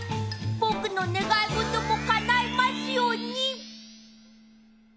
ぼくのねがいごともかないますように。